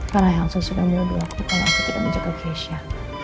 karena yang sesudah menurut aku kalau aku tidak menjaga keisha